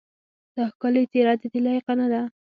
دا ښکلې څېره ددې لایقه نه ده.